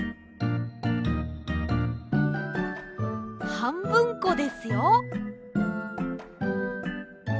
はんぶんこですよ。